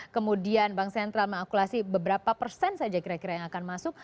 kemudian bank sentral mengalkulasi beberapa persen saja kira kira yang akan masuk